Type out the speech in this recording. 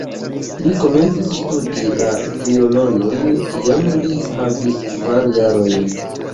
Li komencis studi la violonon kiam li havis kvar jarojn.